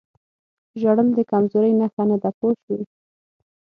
ژړل د کمزورۍ نښه نه ده پوه شوې!.